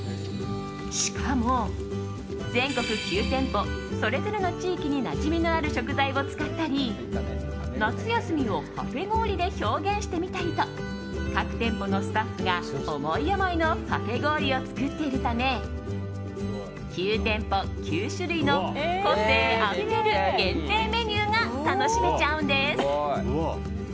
しかも、全国９店舗それぞれの地域になじみのある食材を使ったり夏休みをパフェ氷で表現してみたりと各店舗のスタッフが思い思いのパフェ氷を作っているため９店舗９種類の個性あふれる限定メニューが楽しめちゃうんです。